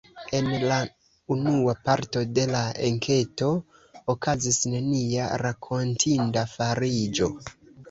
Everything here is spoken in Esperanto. En la unua parto de la enketo okazis nenia rakontinda fariĝo.